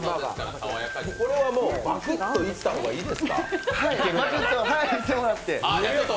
これはもうパクッといった方がいいですか？